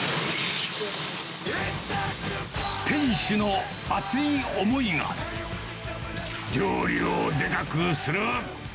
店主の熱い思いが、料理をでかくする。